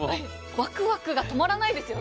ワクワクが止まらないですよね。